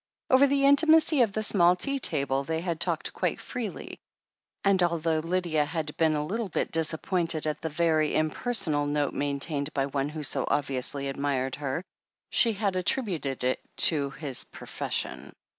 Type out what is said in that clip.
Over the intimacy of the small tea table, they had talked quite freely, and although Lydia had been a little bit disappointed at the very impersonal note main tained by one who so obviously admired her, she had attributed it to his profession.